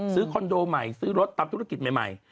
ซื้อคอนโดใหม่ซื้อรถตับธุรกิจใหม่